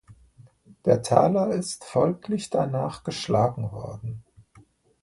Der Taler ist folglich danach geschlagen worden.